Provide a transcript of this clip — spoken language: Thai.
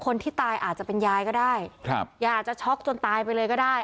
คนที่ตายอาจจะเป็นยายก็ได้ครับยายอาจจะช็อกจนตายไปเลยก็ได้